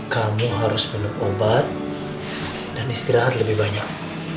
kami harus minum obat dan istirahat lebih banyak